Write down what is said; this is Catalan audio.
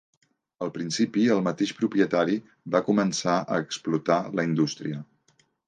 Al principi el mateix propietari va començar a explotar la indústria.